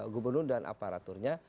gubernur dan aparaturnya